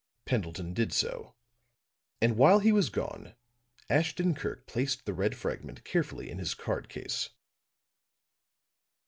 Pendleton did so; and while he was gone, Ashton Kirk placed the red fragment carefully in his card case.